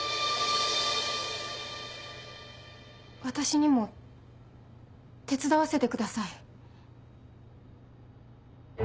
私にも手伝わせてください。